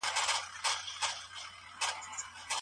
نوي پوهان به د سیاست علمي والی رد نه کړي.